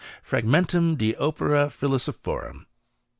Fragmentum de Opere Philosophorum.